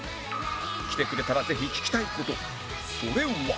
来てくれたらぜひ聞きたい事それは